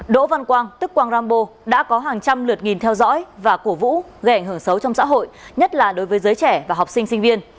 đỗ văn quang tức quang rambo đã có hàng trăm lượt nghìn theo dõi và cổ vũ gây ảnh hưởng xấu trong xã hội nhất là đối với giới trẻ và học sinh sinh viên